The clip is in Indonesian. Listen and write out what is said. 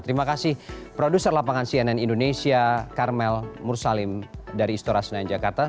terima kasih produser lapangan cnn indonesia karmel mursalim dari istora senayan jakarta